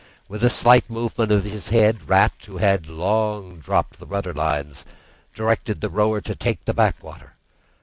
With a slight movement of his head Rat, who had long dropped the rudder lines, directed the rower to take the backwater.